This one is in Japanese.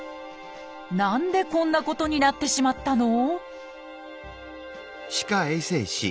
何でこんなことになってしまったの？